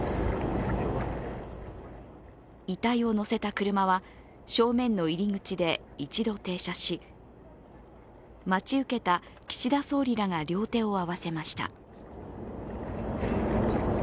遺体を乗せた車は正面の入り口で、一度停車し待ち受けた岸田総理らが両手を合わせました。